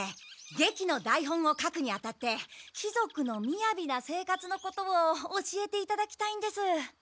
劇の台本を書くにあたって貴族のみやびな生活のことを教えていただきたいんです。